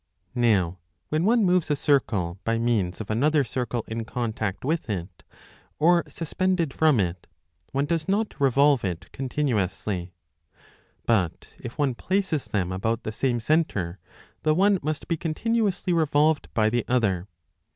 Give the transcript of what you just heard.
Now when one moves a circle by means of another circle in contact with it, or suspended from it, one does not revolve it continuously ; 4 but if one places them about the same centre, the one must be continuously revolved 25 by the other.